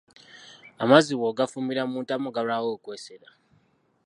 Amazzi bw'ogafumbira mu ntamu galwawo okwesera.